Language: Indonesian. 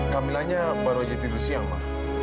kamilanya baru aja tidur siang ma